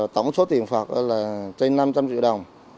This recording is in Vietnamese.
tổng số tiền phạt là trên năm trăm linh triệu đồng